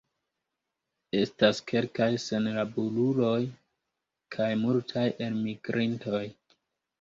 Estas kelkaj senlaboruloj kaj multaj elmigrintoj.